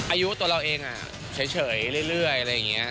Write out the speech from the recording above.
อายุตัวเราเองเฉยเรื่อยอะไรอย่างนี้